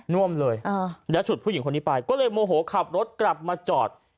่วมเลยแล้วฉุดผู้หญิงคนนี้ไปก็เลยโมโหขับรถกลับมาจอด